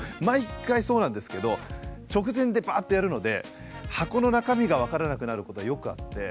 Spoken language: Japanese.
毎回そうなんですけど直前でバッとやるので箱の中身が分からなくなることはよくあって。